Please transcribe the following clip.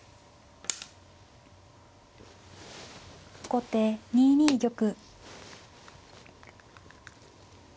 後手２二玉。